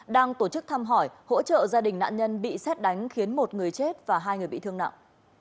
đang tổ chức thăm hỏi hỗ trợ gia đình nạn nhân bị xét đánh khiến một người chết và hai người bị thương nặng